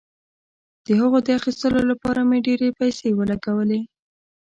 د هغه د اخیستلو لپاره مې ډیرې پیسې ولګولې.